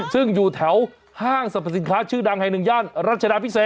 ซึ่งอยู่แถวห้างสรรพสินค้าชื่อดังแห่งหนึ่งย่านรัชดาพิเศษ